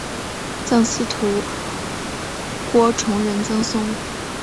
赠司徒郭崇仁曾孙。